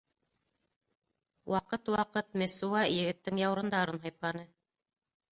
Ваҡыт-ваҡыт Мессуа егеттең яурындарын һыйпаны.